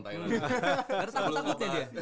karena takut takut ya dia